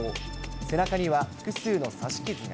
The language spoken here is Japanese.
背中には複数の刺し傷が。